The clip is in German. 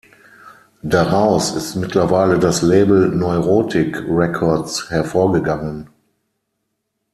Daraus ist mittlerweile das Label Neurotic Records hervorgegangen.